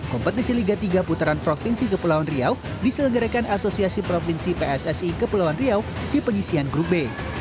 kompetisi liga tiga putaran provinsi kepulauan riau diselenggarakan asosiasi provinsi pssi kepulauan riau di penyisian grup b